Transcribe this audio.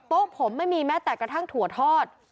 ผมไม่มีแม้แต่กระทั่งถั่วทอด